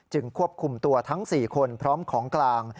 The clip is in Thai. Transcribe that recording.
ควบคุมตัวทั้ง๔คนพร้อมของกลาง